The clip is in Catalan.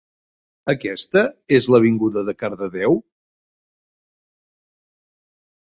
Aquesta és l'avinguda de Cardedeu?